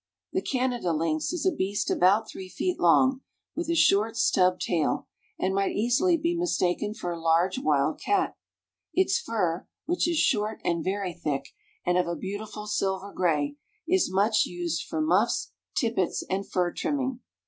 The Canada lynx is a beast about three feet long, with a short stubbed tail, and might easily be mistaken for a large wild cat. Its fur, which is short and very thick, and of a beautiful silver gray, is much used for muffs, tippets, and fur trimming.